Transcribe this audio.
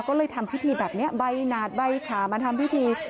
ก็เลยทำพิธีแบบนี้ใบหนาดใบขามาทำพิธี